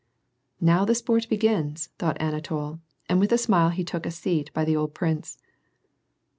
" Now the sport begins," thought Anatol, and with a smile he took a seat by the old prince.